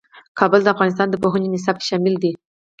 کابل د افغانستان د پوهنې نصاب کې شامل دي.